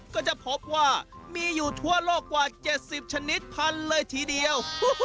ก็จะพบว่ามีอยู่ทั่วโลกกว่า๗๐ชนิดพันเลยทีเดียว